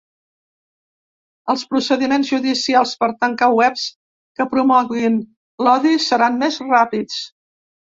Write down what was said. Els procediments judicials per tancar webs que promoguin l’odi seran més ràpids.